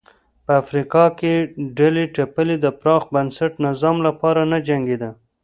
په افریقا کې ډلې ټپلې د پراخ بنسټه نظام لپاره نه جنګېدې.